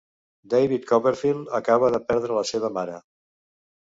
David Copperfield acaba de perdre la seva mare.